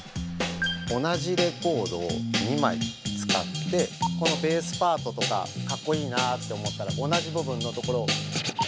同じレコードを２枚使ってこのベースパートとかかっこいいなあって思ったら同じ部分のところを。